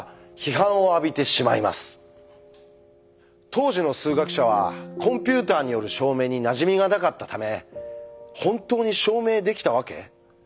当時の数学者はコンピューターによる証明になじみがなかったため「本当に証明できたわけ？」